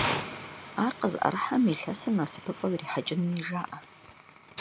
Ар къызыӀэрыхьэм илъэсыр насыпыфӀэу ирихьэкӀынуи жаӀэ.